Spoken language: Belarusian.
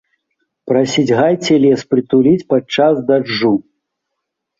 Прасіць гай ці лес прытуліць падчас дажджу.